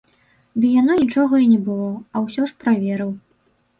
Ды яно нічога і не было, а ўсё ж праверыў.